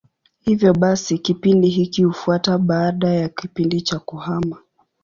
Hivyo basi kipindi hiki hufuata baada ya kipindi cha kuhama.